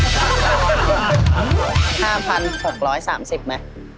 ๕๖๓๐บาทมั้ย